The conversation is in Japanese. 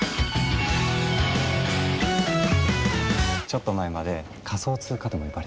ちょっと前まで仮想通貨とも呼ばれてた。